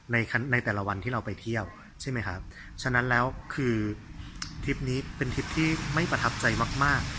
ในในแต่ละวันที่เราไปเที่ยวใช่ไหมครับฉะนั้นแล้วคือทริปนี้เป็นทริปที่ไม่ประทับใจมากมาก